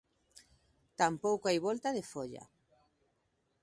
Tampouco hai volta de folla.